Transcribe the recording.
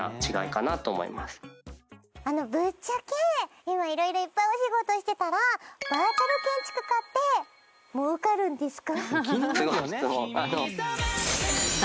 ぶっちゃけ今色々いっぱいお仕事してたらバーチャル建築家って儲かるんですか？